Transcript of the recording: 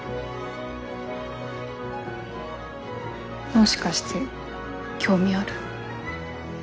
もしかして興味ある？